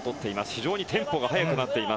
非常にテンポが速くなっていて